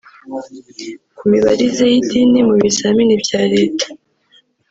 Ku mibarize y’indimi mu bizamini bya Leta